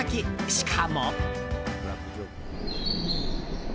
しかも。